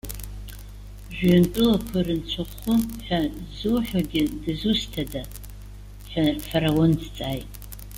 Жәҩантәылақәа рынцәахәы ҳәа ззуҳәогьы дызусҭада?- ҳәа Фараон дҵааит.